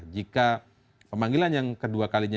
jika pemanggilan yang kedua kalinya